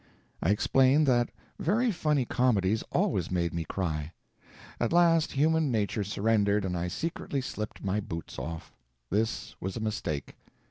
I explained that very funny comedies always made me cry. At last human nature surrendered, and I secretly slipped my boots off. This was a mistake.